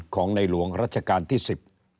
ของในหลวงรัชกาลที่๑๐